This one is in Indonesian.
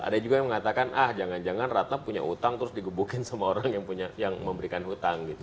ada juga yang mengatakan ah jangan jangan ratna punya utang terus digebukin sama orang yang memberikan hutang gitu